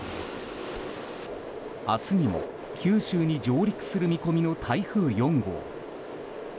明日にも、九州に上陸する見込みの台風４号。